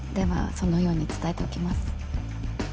そのように伝えておきます。